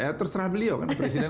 ya terserah beliau kan